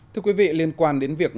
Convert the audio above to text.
thưa quý vị liên quan đến việc